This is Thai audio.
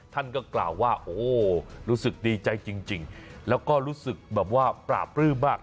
ท่านก็กล่าวว่าโอ้รู้สึกดีใจจริงแล้วก็รู้สึกแบบว่าปราบปลื้มมาก